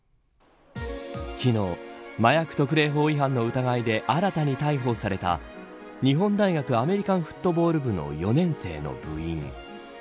昨日、麻薬特例法違反の疑いで新たに逮捕された日本大学アメリカンフットボール部の４年生の部員。